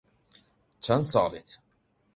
چەند ساڵیت؟